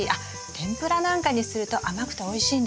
天ぷらなんかにすると甘くておいしいんですよ。